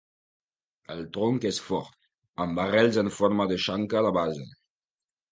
El tronc és fort, amb arrels en forma de xanca a la base.